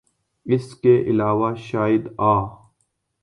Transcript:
اس کے علاوہ شاید آ